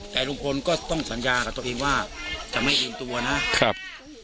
แต่ลุงพลก็ต้องสัญญากับตัวเองว่าจะไม่เอ็นตัวนะครับ